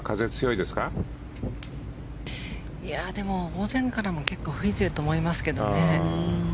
いやでも、午前からも結構吹いてると思いますけどね。